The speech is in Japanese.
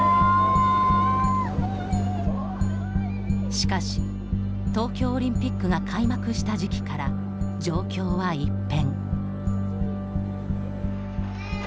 しかし、東京オリンピックが開幕した時期から、状況は一変。